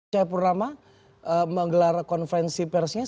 saya purnama menggelar konferensi persnya